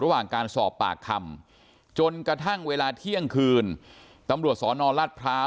ระหว่างการสอบปากคำจนกระทั่งเวลาเที่ยงคืนตำรวจสนราชพร้าว